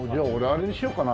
あれにしようかな。